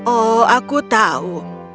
oh aku tahu